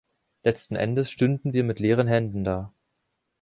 Letzten Endes stünden wir mit leeren Händen da.